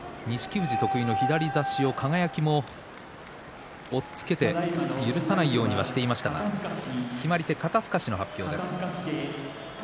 富士得意の左差しを輝も押っつけて許さないようにしていましたが決まり手は肩すかしの発表です。